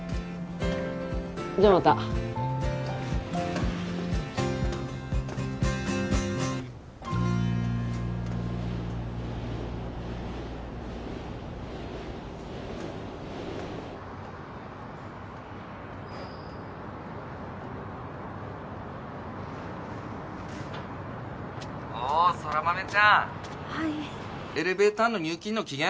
じゃあまた☎おー空豆ちゃんはいエレベーターの入金の期限？